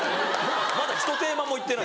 まだひとテーマもいってない。